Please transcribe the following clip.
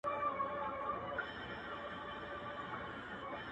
یو لرګی به یې لا هم کړ ور دننه!.